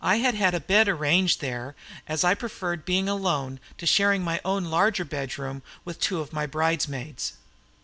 I had had a bed arranged there as I preferred being alone to sharing my own larger bedroom with two of my bridesmaids.